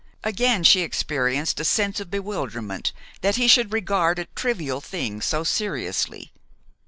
Again she experienced a sense of bewilderment that he should regard a trivial thing so seriously.